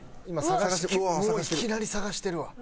もういきなり捜してるわ。